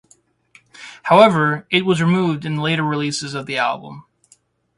However, it was removed in later releases of the album.